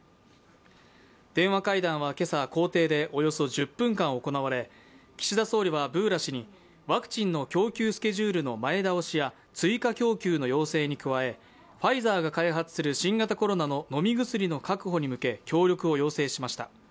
電話会談は今朝、公邸でおよそ１０分間行われ、岸田総理はブーラ氏にワクチンの供給スケジュールの前倒しや追加供給の要請に加えファイザーが開発する新型コロナの飲み薬の確保に向け協力を要請しました。